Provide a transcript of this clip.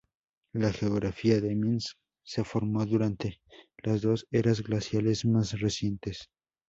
La geografía de Minsk se formó durante las dos eras glaciales más recientes.